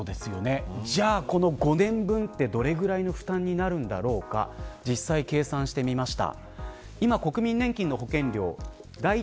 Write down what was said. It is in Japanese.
じゃあ、この５年分ってどれぐらいの負担になるんだろうか実際計算してみました。